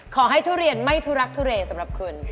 ขอให้ทุเรียนไม่ทุรักทุเรสำหรับคุณ